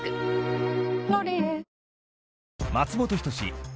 「ロリエ」